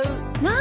何？